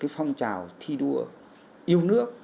phong trào thi đua yêu nước